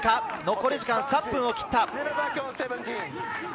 残り時間３分を切った。